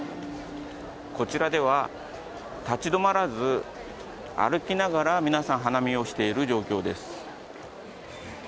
こちらでは立ち止まらず歩きながら皆さん花見をしている状況です。